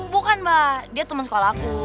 bukan mba dia temen sekolah aku